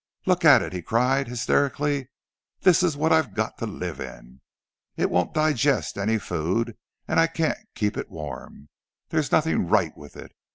"Look at it!" he cried, hysterically. "This is what I've got to live in! It won't digest any food, and I can't keep it warm—there's nothing right with it!